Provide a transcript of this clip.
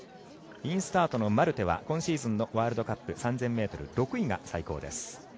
インスタートのマルテは今シーズンのワールドカップ３０００ｍ、６位が最高です。